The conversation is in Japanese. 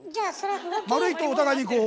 丸いとお互いにこう。